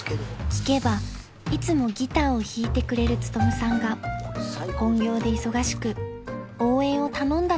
［聞けばいつもギターを弾いてくれる努さんが本業で忙しく応援を頼んだのだとか］